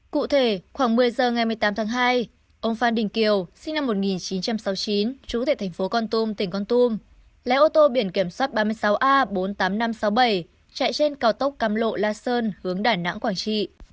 cụ thể khoảng một mươi giờ ngày một mươi tám tháng hai ông phan đình kiều sinh năm một nghìn chín trăm sáu mươi chín chú thể thành phố con tum tỉnh con tum lái ô tô biển kiểm soát ba mươi sáu a bốn mươi tám nghìn năm trăm sáu mươi bảy chạy trên cao tốc cam lộ la sơn hướng đà nẵng quảng trị